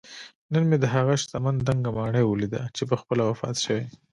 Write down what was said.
نن مې دهغه شتمن دنګه ماڼۍ ولیده چې پخپله وفات شوی